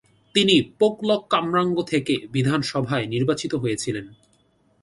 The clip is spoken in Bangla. তিনি পোকলক-কামরাঙ্গ থেকে বিধানসভায় নির্বাচিত হয়েছিলেন।